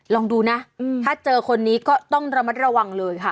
ลองดูนะถ้าเจอคนนี้ก็ต้องระมัดระวังเลยค่ะ